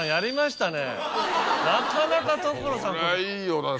なかなか所さんから。